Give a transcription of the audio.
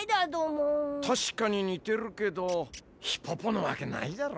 たしかににてるけどヒポポのわけないだろ。